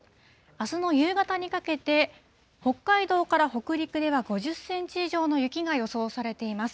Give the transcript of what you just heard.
あすの夕方にかけて、北海道から北陸では５０センチ以上の雪が予想されています。